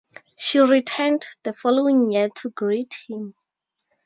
She returned the following year to greet him.